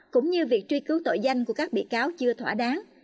cũng như việc truy cứu tội danh của các bị cáo chưa thỏa đáng